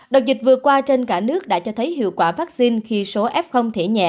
đợt dịch vừa qua trên cả nước đã cho thấy hiệu quả vaccine khi số f thể nhẹ